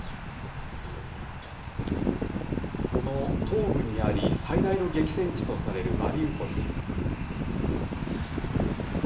その東部にあり、最大の激戦地とされるマリウポリ。